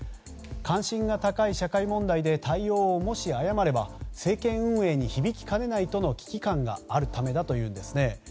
関心が高い社会問題で対応をもし誤れば政権運営に響きかねないとの危機感があるためだといいます。